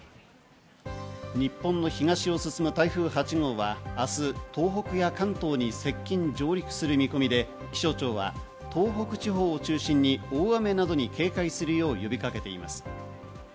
日本の東を進む台風８号は明日、東北や関東に接近・上陸する見込みで、気象庁は東北地方を中心に大雨などに警戒するよう呼びかけています。